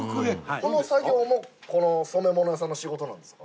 この作業も染め物屋さんの仕事なんですか？